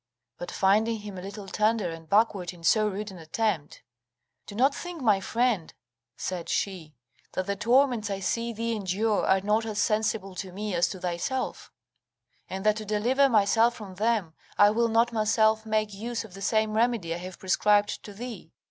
But finding him a little tender and backward in so rude an attempt: "Do not think, my friend," said she, "that the torments I see thee endure are not as sensible to me as to thyself, and that to deliver myself from them, I will not myself make use of the same remedy I have prescribed to thee.